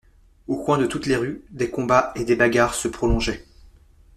Aux coins de toutes les rues, des combats et des bagarres se prolongeaient.